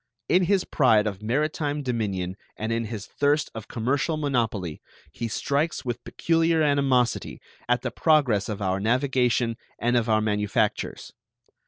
In his pride of maritime dominion and in his thirst of commercial monopoly he strikes with peculiar animosity at the progress of our navigation and of our manufactures.